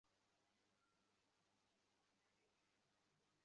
কখনো তারা বিজয়ী হলেন।